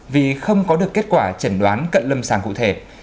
vì không có được kết quả chẩn đoán cận lâm sàng cụ thể